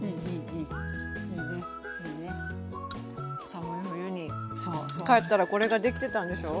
寒い冬に帰ったらこれができてたんでしょ？